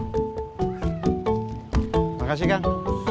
terima kasih kang